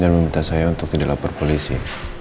dan meminta saya untuk tidak lapar polisi